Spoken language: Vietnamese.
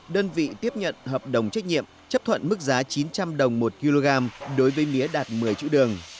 đơn vị tiếp nhận hợp đồng trách nhiệm chấp thuận mức giá chín trăm linh đồng một kg đối với mía đạt một mươi chữ đường